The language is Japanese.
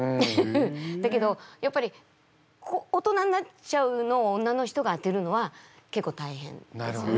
だけどやっぱり大人になっちゃうのを女の人が当てるのは結構大変ですね。